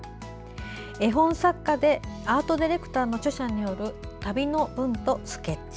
絵本作家でアートディレクターの著者による旅の文とスケッチ。